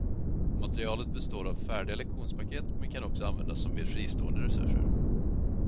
Materialet består av färdiga lektionspaket men kan också användas som mer fristående resurser.